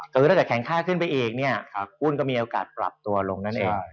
คือถ้าเกิดแข็งค่าขึ้นไปอีกเนี่ยหุ้นก็มีโอกาสปรับตัวลงนั่นเอง